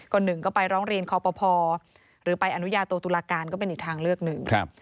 ก็หนึ่งก็ไปร้องเรียนคอปภหรือไปอนุญาโตตุลาการก็เป็นอีกทางเลือกหนึ่ง